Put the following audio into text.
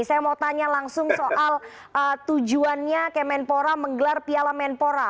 saya mau tanya langsung soal tujuannya kemenpora menggelar piala menpora